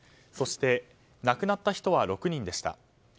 そして亡くなった人は６人でした。